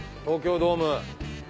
東京ドーム！